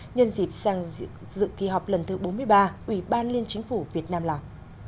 nhân dịp sang dự kỳ họp lần thứ bốn mươi ba ủy ban liên chính phủ việt nam lào